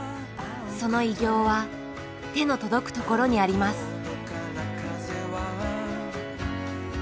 その偉業は手の届くところにあります。